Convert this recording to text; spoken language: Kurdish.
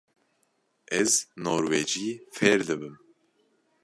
Ez norwecî fêr dibim.